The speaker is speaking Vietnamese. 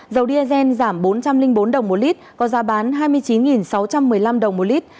dầu diesel giảm bốn trăm linh bốn đồng một lít có giá bán hai mươi chín sáu trăm một mươi năm đồng một lít